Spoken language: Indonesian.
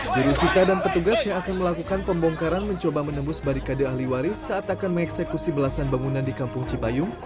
jurusita dan petugas yang akan melakukan pembongkaran mencoba menembus barikade ahli waris saat akan mengeksekusi belasan bangunan di kampung cipayung